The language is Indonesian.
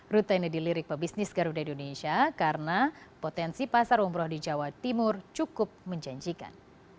rute ini dilirik pebisnis garuda indonesia karena potensi pasar umroh di jawa timur cukup menjanjikan